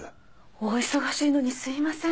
お忙しいのにすみません。